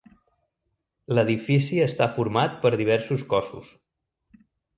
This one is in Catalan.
L'edifici està format per diversos cossos.